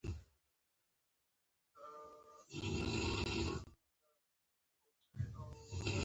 بوډۍ د ژوند له حالاتو خبرې وکړې.